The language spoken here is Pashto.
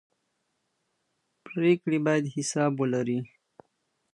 پرېکړې باید حساب ولري